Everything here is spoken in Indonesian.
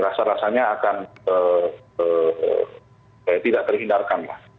rasa rasanya akan tidak terhindarkan lah